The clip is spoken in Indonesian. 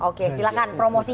oke silakan promosi